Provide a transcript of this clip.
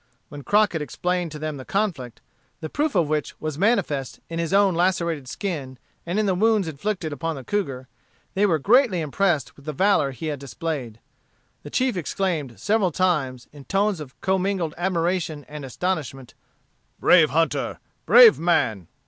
When Crockett explained to them the conflict, the proof of which was manifest in his own lacerated skin, and in the wounds inflicted upon the cougar, they were greatly impressed with the valor he had displayed. The chief exclaimed several times, in tones of commingled admiration and astonishment, "Brave hunter! brave man!"